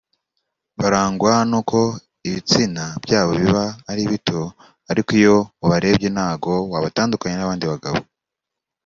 barangwa n’uko ibitsina byabo biba ari bito ariko iyo ubarebye ntago wabatandukanya n’abandi bagabo